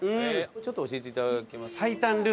ちょっと教えていただけます？